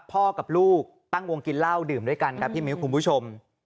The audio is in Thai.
พ่อกับลูกตั้งวงกินเหล้าดื่มด้วยกันครับพี่มิ้วคุณผู้ชม